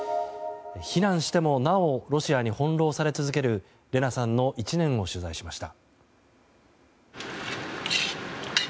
避難してもなおロシアに翻弄され続けるレナさんの１年を取材しました。